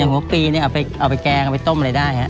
หัวปีเนี่ยเอาไปแกงเอาไปต้มอะไรได้ฮะ